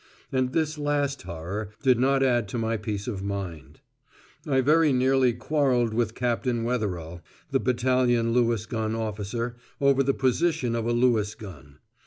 And this last horror did not add to my peace of mind. I very nearly quarrelled with Captain Wetherell, the battalion Lewis gun officer, over the position of a Lewis gun.